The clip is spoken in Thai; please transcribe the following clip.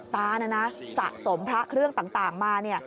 ตานะนะสะสมพระเครื่องต่างมาเนี่ย